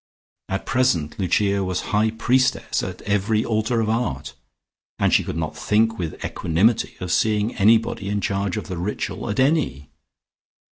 At present Lucia was high priestess at every altar of Art, and she could not think with equanimity of seeing anybody in charge of the ritual at any.